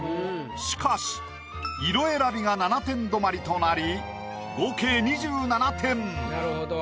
しかし色選びが７点止まりとなり合計２７点。